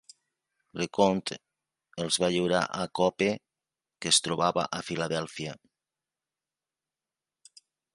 LeConte els va lliurar a Cope, que es trobava a Filadèlfia.